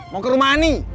mau ke rumah ani